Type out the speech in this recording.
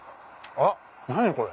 あっ何これ。